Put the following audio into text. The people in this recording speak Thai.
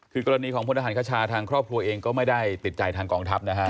คือกรณีของพลฐานคชาครอบครัวเองก็ไม่ได้ติดใจทางกล่องทัพ